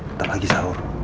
nanti lagi sahur